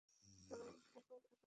সবাই এখন একই অবস্থায় আছে।